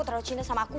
terlalu cinta sama aku